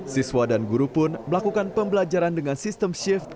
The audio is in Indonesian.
siswa dan guru pun melakukan pembelajaran dengan sistem shift